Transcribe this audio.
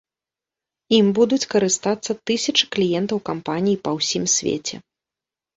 Ім будуць карыстацца тысячы кліентаў кампаніі па ўсім свеце.